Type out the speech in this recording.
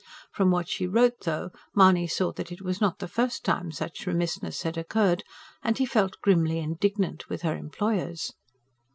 From what she wrote, though, Mahony saw that it was not the first time such remissness had occurred; and he felt grimly indignant with her employers.